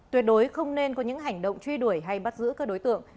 tuyệt đối không nên có những hành động truy đuổi hay bắt giữ các đối tượng